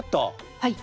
はい。